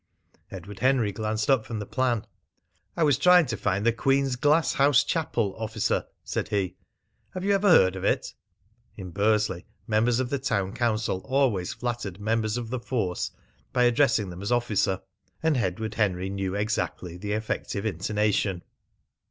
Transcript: Edward Henry glanced up from the plan. "I was trying to find the Queen's Glasshouse Chapel, Officer," said he. "Have you ever heard of it?" (In Bursley, members of the town council always flattered members of the force by addressing them as "Officer"; and Edward Henry knew exactly the effective intonation.)